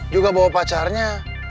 juga bawa pacarnya